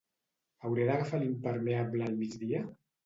Hauré d'agafar l'impermeable al migdia?